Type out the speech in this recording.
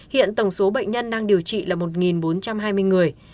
hiện tổng số bệnh nhân đang điều trị là một bốn trăm hai mươi người